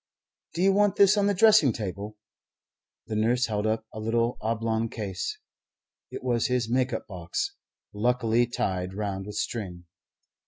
"Do you want this on the dressing table?" The nurse held up a little oblong case. It was his make up box, luckily tied round with string.